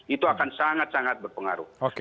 itu akan sangat sangat berpengaruh